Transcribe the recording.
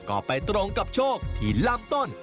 ก็ไปตรงกับโชคที่ลำต้น